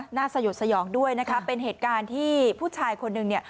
หน้าสยดสยองด้วยเป็นเหตุการณ์ที่ผู้ชายคนหนึ่ง